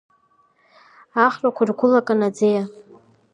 Ахрақәа иргәылакын аӡиа.